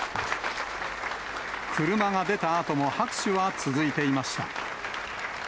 車が出たあとも拍手は続いていました。